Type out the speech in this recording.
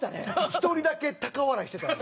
１人だけ高笑いしてたね。